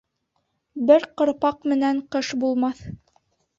Бер ҡырпаҡ менән ҡыш булмаҫ.